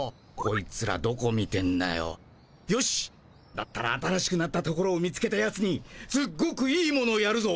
だったら新しくなったところを見つけたやつにすっごくいいものやるぞ。